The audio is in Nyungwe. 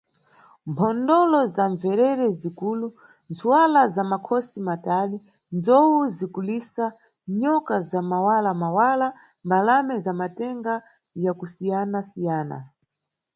Mphondolo za mbverere zikulu, ntswala za makhosi matali, nzowu zikulisa, nyoka za mawala-mawala, mbalame za matenga yakusiyana-siyana .